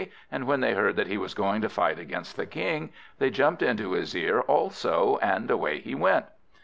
and when they heard that he was going to fight against the King, they jumped into his ear also, and away he went.